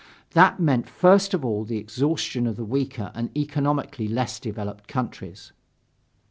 That meant first of all the exhaustion of the weaker and economically less developed countries.